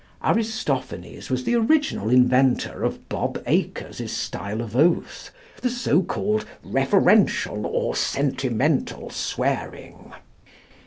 Aristophanes was the original inventor of Bob Acres's style of oath the so called referential or sentimental swearing.